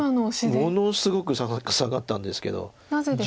ものすごく下がったんですけど。